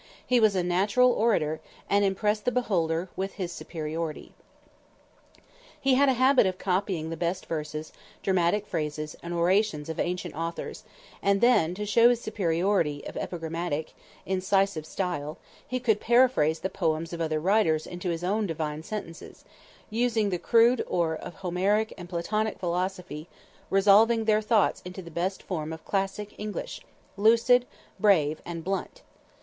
He was a natural orator, and impressed the beholder with his superiority. He had a habit of copying the best verses, dramatic phrases and orations of ancient authors, and then to show his superiority of epigrammatic, incisive style, he could paraphrase the poems of other writers into his own divine sentences, using the crude ore of Homeric and Platonic philosophy, resolving their thoughts into the best form of classic English, lucid, brave and blunt!